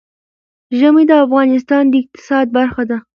ژمی د افغانستان د اقتصاد برخه ده.